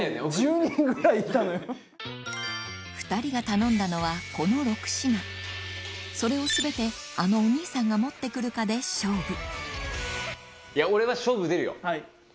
２人が頼んだのはこの６品それを全てあのお兄さんが持って来るかで勝負はい。